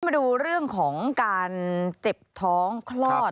มาดูเรื่องของการเจ็บท้องคลอด